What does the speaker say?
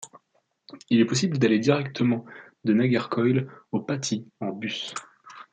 Il est possible d'aller directement de Nagercoil au Pathi en bus.